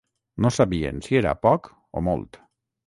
No sabien si era poc o molt